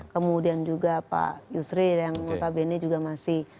kemudian juga pak yusril yang notabene juga masih